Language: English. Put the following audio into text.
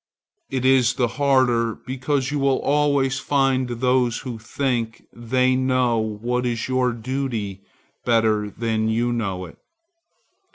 It is the harder because you will always find those who think they know what is your duty better than you know it.